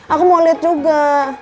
aku mau liat juga